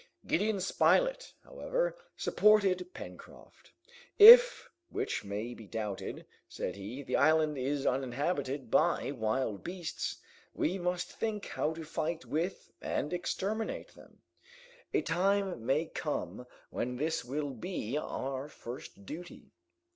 Gideon Spilett, however, supported Pencroft. "If, which may be doubted," said he, "the island is inhabited by wild beasts, we must think how to fight with and exterminate them. A time may come when this will be our first duty."